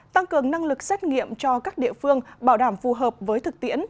tăng cường năng lực xét nghiệm cho các địa phương bảo đảm phù hợp với thực tiễn